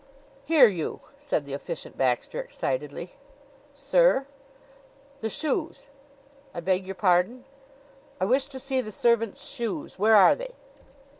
"Here, you!" said the Efficient Baxter excitedly. "Sir?" "The shoes!" "I beg your pardon?" "I wish to see the servants' shoes. Where are they?"